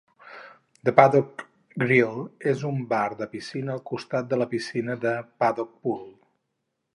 El The Paddock Grill és un bar de piscina al costat de la piscina The Paddock Pool.